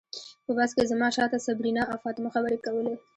په بس کې زما شاته صبرینا او فاطمه خبرې کولې.